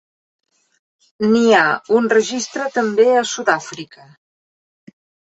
N'hi ha un registre també a Sud-àfrica.